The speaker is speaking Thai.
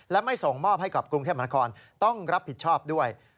และไม่ส่งมอบให้กับกรุงเทพมหานครต้องรับผิดชอบด้วย